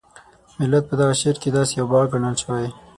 ملت په دغه شعر کې داسې یو باغ ګڼل شوی.